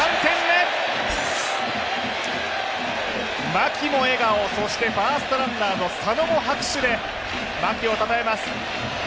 牧も笑顔、そしてファーストランナーの佐野も笑顔で牧をたたえます。